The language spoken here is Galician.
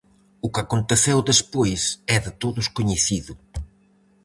O que aconteceu despois é de todos coñecido.